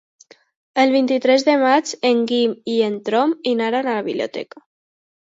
El vint-i-tres de maig en Guim i en Tom iran a la biblioteca.